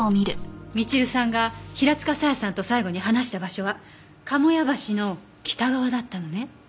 みちるさんが平塚沙耶さんと最後に話した場所は鴨屋橋の北側だったのね？